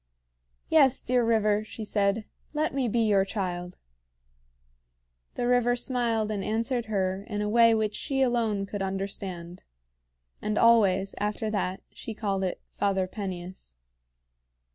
"Yes, dear river," she said, "let me be your child." The river smiled and answered her in a way which she alone could understand; and always, after that, she called it "Father Peneus."